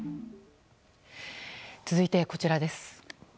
続いて、こちらです。